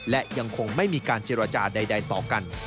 และยังคงไม่มีการเจรจาใดต่อกัน